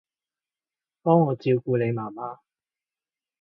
幫我照顧你媽媽